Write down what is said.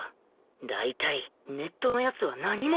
大体ネットの奴は何も